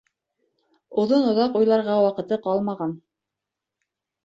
Оҙон-оҙаҡ уйларға ваҡыты ҡалмаған.